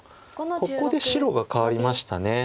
ここで白が変わりました。